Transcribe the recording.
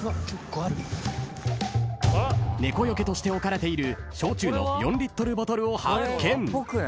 ［猫よけとして置かれている焼酎の４リットルボトルを発見］